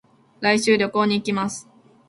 来週、旅行に行きます。